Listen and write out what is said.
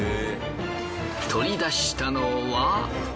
取り出したのは。